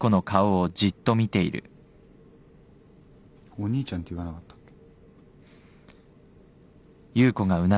お兄ちゃんて言わなかったっけ？